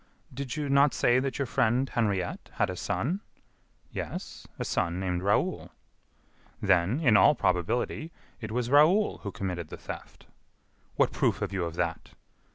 "Did you not say that your friend Henriette had a son?" "Yes; a son named Raoul." "Then, in all probability, it was Raoul who committed the theft." "What proof have you of that?"